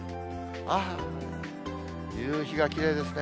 ああ、夕日がきれいですね。